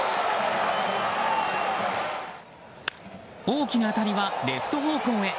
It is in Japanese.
大きな当たりはレフト方向へ。